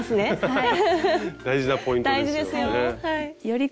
はい。